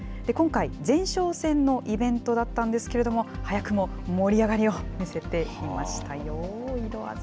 今回、前哨戦のイベントだったんですけれども、早くも盛り上がりを見せていましたよ。